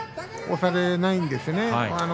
押されないんですね。